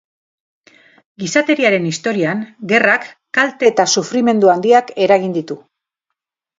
Gizateriaren historian gerrak kalte eta sufrimendu handiak eragin ditu.